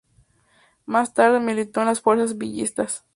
Más tarde militó en las fuerzas villistas.